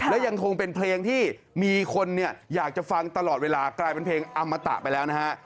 และยังคงเป็นเพลงที่มีคนเนี่ยอยากจะฟังตลอดเวลากลายเป็นเพลงอมตะไปแล้วนะฮะ